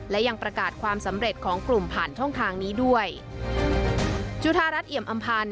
และยังประกาศความสำเร็จของกลุ่มผ่านช่องทางนี้ด้วย